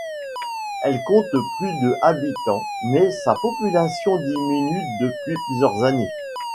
Elle compte plus de habitants mais sa population diminue depuis plusieurs années.